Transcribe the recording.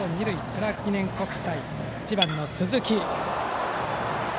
クラーク記念国際、１番の鈴木。